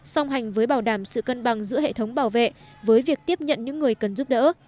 song hành với bảo đảm sự cân bằng giữa hệ thống bảo vệ với việc tiếp nhận những người cần giúp đỡ